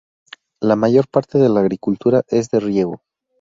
La mayor parte de la agricultura es de riego.